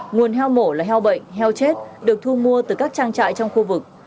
nguồn heo mổ là heo bệnh heo chết được thu mua từ các trang trại trong khu vực